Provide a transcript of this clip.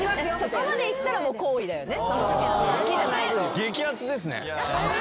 そこまでいったら好意だよね。